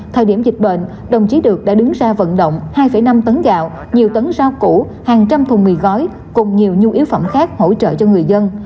thời điểm dịch bệnh đồng chí được đã đứng ra vận động hai năm tấn gạo nhiều tấn rau củ hàng trăm thùng mì gói cùng nhiều nhu yếu phẩm khác hỗ trợ cho người dân